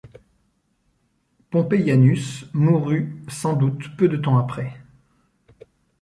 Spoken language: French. Pompéianus mourut sans doute peu de temps après.